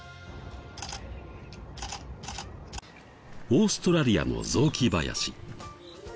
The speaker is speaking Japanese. オーストラリアの雑木林。